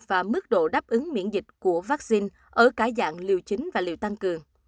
và mức độ đáp ứng miễn dịch của vaccine ở cả dạng liều chính và liệu tăng cường